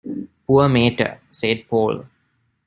“Poor mater!” said Paul.